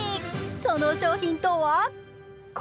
その商品とは？